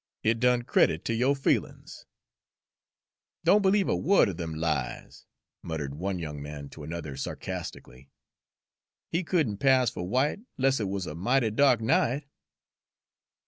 "It done credit to yo' feelin's." "Don't b'lieve a word er dem lies," muttered one young man to another sarcastically. "He could n' pass fer white, 'less'n it wuz a mighty dark night."